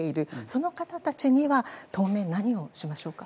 その方たちには当面、何をしましょうか。